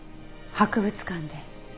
博物館で。